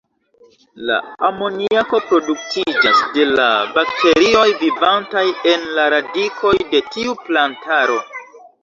La amoniako produktiĝas de la bakterioj vivantaj en la radikoj de tiu plantaro.